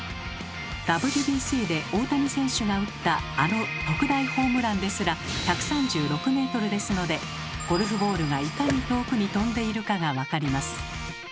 ＷＢＣで大谷選手が打ったあの特大ホームランですら１３６ｍですのでゴルフボールがいかに遠くに飛んでいるかが分かります。